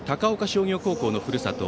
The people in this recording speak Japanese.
商業高校のふるさと